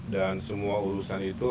dan semua urusan itu